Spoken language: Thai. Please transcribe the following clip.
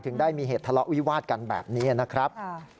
ได้มีเหตุทะเลาะวิวาดกันแบบนี้นะครับ